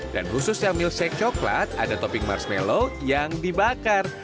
dan khususnya milkshake coklat ada topping marshmallow yang dibakar